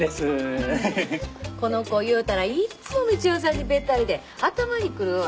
この子いうたらいつも道夫さんにべったりで頭にくるわ。